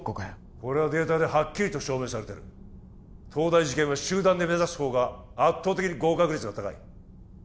これはデータではっきりと証明されてる東大受験は集団で目指す方が圧倒的に合格率が高い